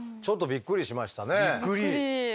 びっくり。